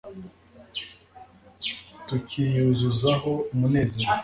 tukiyuzuzaho umunezero